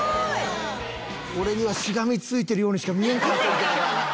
俺にはしがみついてるようにしか見えんかったんやけどな。